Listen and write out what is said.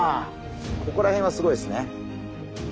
ここらへんはすごいですね。